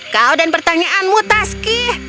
kau dan pertanyaanmu taski